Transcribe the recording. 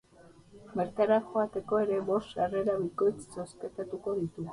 Bertara joateko ere bost sarrera bikoitz zozkatuko ditugu.